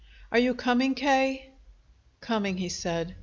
"Are you coming, K.?" "Coming," he said.